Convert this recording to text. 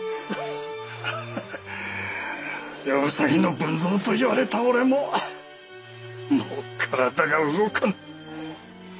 夜兎の文蔵といわれた俺ももう体が動かぬ。